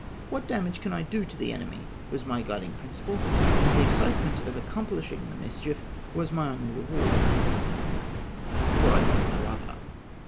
Wliat damage can I do to the enemy ? was my guiding principle, and the excitement of accomphshing the mischief was my only reward, — for I got no other.